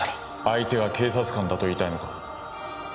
相手は警察官だと言いたいのか？